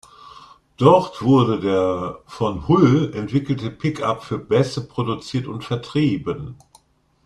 Dort wurde der von Hull entwickelte Pickup für Bässe produziert und vertrieben.